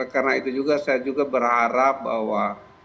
karena itu juga saya berharap bahwa